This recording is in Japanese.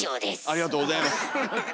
ありがとうございます。